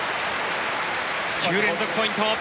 ９連続ポイント。